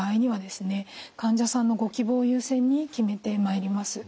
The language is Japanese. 患者さんのご希望を優先に決めてまいります。